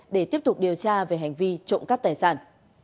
để tiếp tục điều tra về hành vi trộm cắp tài sản